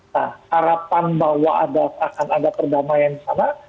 nah harapan bahwa akan ada perdamaian di sana